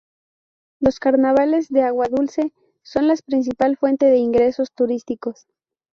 Los carnavales de Aguadulce son la principal fuente de ingresos turísticos.